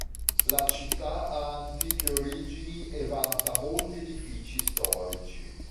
La città ha antiche origini e vanta molti edifici storici.